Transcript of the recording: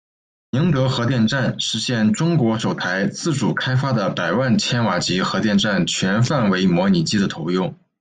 宁德核电站实现中国首台自主开发的百万千瓦级核电站全范围模拟机的投用。